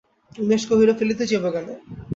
উমেশ কহিল, ফেলিতে যাইব কেন?